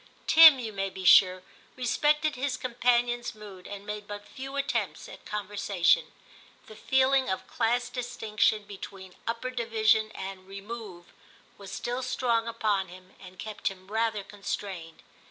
Tim, you may be sure, respected his companion's mood, and made but few attempts at conversation ; the feeling of class distinction between * upper division* and * Remove' was still strong upon him, and kept him rather constrained.